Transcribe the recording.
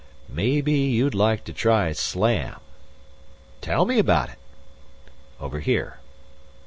"Maybe you'd like to try Slam." "Tell me about it." "Over here."